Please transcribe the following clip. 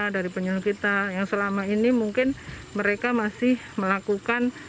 dari penyelenggara kita yang selama ini mungkin mereka masih melakukan